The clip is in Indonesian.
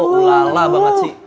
ulala banget sih